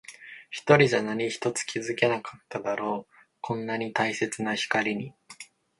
一人じゃ何一つ気づけなかっただろう。こんなに大切な光に。